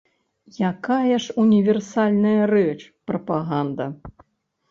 Якая ж універсальная рэч прапаганда.